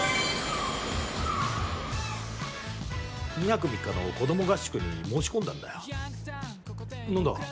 ２泊３日の子ども合宿に申し込んだんだよ。